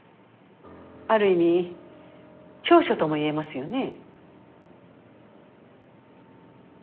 ある意味長所とも言えますよね。